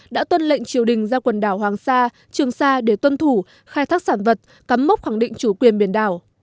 đã tuân lệnh triều đình ra quần đảo hoàng sa trường sa để tuân thủ khai thác sản vật cắm mốc khẳng định chủ quyền biển đảo